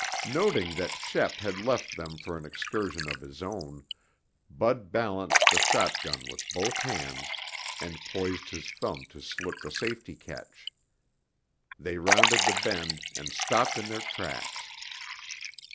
Noting that Shep had left them for an excursion of his own, Bud balanced the shotgun with both hands and poised his thumb to slip the safety catch. They rounded the bend and stopped in their tracks.